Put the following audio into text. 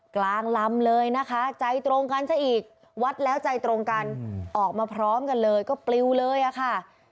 กลางลำเลยนะคะใจตรงกันซะอีกวัดแล้วใจตรงกันออกมาพร้อมกันเลยก็ปลิวเลยอะค่ะ